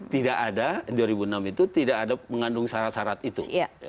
tidak ada dua ribu enam itu tidak ada mengandung syarat syarat itu